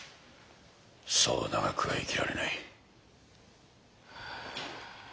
そう長くは生きられない。